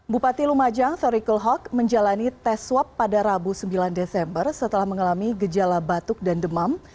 bupati lumajang tori kulhok menjalani tes swab pada rabu sembilan desember setelah mengalami gejala batuk dan demam